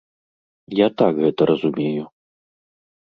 Я так гэта разумею.